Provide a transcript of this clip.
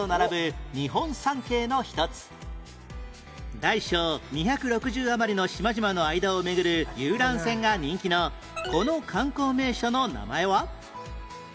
大小２６０余りの島々の間を巡る遊覧船が人気のこの観光名所の名前は？